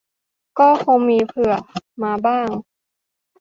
ก็คงมีเผื่อมาบ้าง